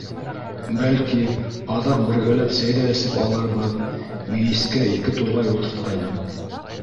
Бәлки, аҙаҡ бергәләп сәй ҙә эсеп алырбыҙ, мейескә ике турғай ултыртҡайным.